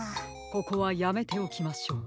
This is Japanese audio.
ここはやめておきましょう。